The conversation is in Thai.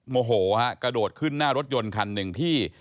โมโหฮะกระโดดขึ้นหน้ารถยนต์คันหนึ่งที่